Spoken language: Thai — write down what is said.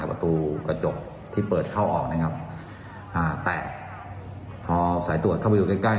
ประตูกระจกที่เปิดเข้าออกนะครับอ่าแต่พอสายตรวจเข้าไปดูใกล้ใกล้